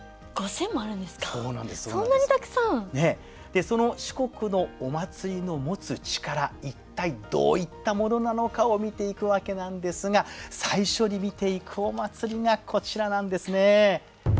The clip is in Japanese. でその四国のお祭りの持つチカラ一体どういったものなのかを見ていくわけなんですが最初に見ていくお祭りがこちらなんですね。